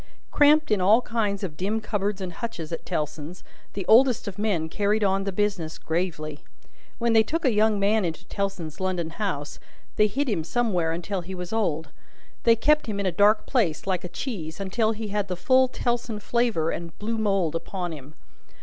Cramped in all kinds of dim cupboards and hutches at Tellson's, the oldest of men carried on the business gravely. When they took a young man into Tellson's London house, they hid him somewhere till he was old. They kept him in a dark place, like a cheese, until he had the full Tellson flavour and blue mould upon him.